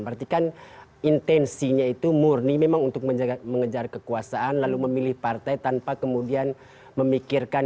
berarti kan intensinya itu murni memang untuk mengejar kekuasaan lalu memilih partai tanpa kemudian memikirkan